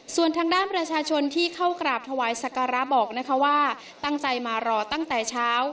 ส่วนทางด้านประชาชนที่เข้ากราบถวายสักการะบอกนะคะว่าตั้งใจมารอตั้งแต่เช้า